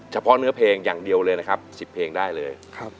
เฉพาะเนื้อเพลงอย่างเดียวเลยนะครับ๑๐เพลงได้เลย